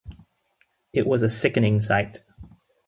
It was a sickening sight.